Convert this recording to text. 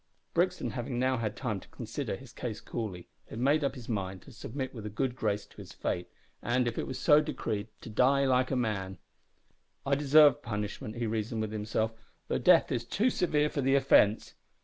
Brixton having now had time to consider his case coolly, had made up his mind to submit with a good grace to his fate, and, if it were so decreed, to die "like a man." "I deserve punishment," he reasoned with himself, "though death is too severe for the offence.